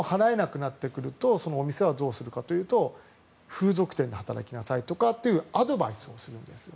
今度、付けで払えなくなってくるとそのお店はどうするかというと風俗店で働きなさいとかっていうアドバイスをするんですよ。